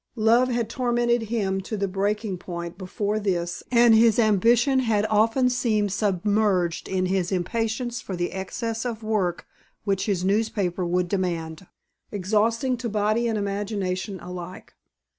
Love had tormented him to the breaking point before this and his ambition had often been submerged in his impatience for the excess of work which his newspaper would demand, exhausting to body and imagination alike.